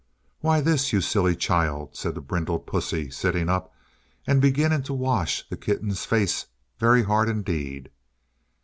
"Why, this, you silly child," said the brindled pussy, sitting up, and beginning to wash the kitten's face very hard indeed.